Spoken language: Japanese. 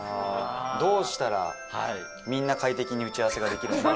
どうしたらみんな快適に打ち合わせができるのか。